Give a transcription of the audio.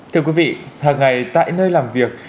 thưa quý vị hằng ngày tại nơi làm việc